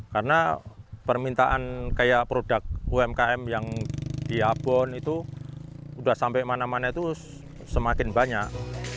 karena permintaan kayak produk umkm yang diabon itu udah sampai mana mana itu semakin banyak